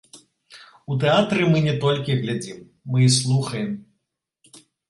У тэатры мы не толькі глядзім, мы і слухаем.